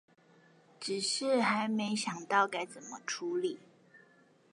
只是還沒想到該怎麼處理